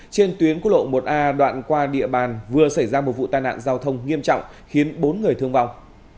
trên tuyến quốc lộ một a đoạn qua địa bàn vừa xảy ra một vụ tai nạn giao thông nghiêm trọng khiến bốn người thương vong